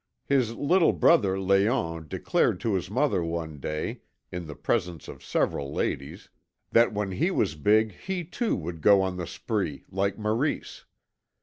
His little brother Léon declared to his mother one day, in the presence of several ladies, that when he was big he, too, would go on the spree, like Maurice.